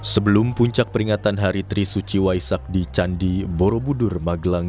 sebelum puncak peringatan hari trisuci waisak di candi borobudur magelang